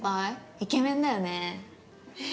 イケメンだよね。